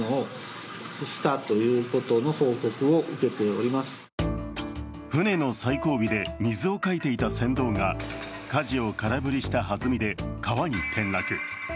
原因は舟の最後尾で水をかいていた船頭がかじを空振りした弾みで川に転落。